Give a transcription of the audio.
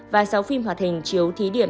và sáu phim hoạt hình chiếu thí điểm